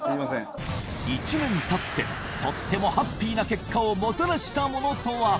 １年たってとってもハッピーな結果をもたらしたものとは。